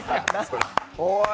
おい！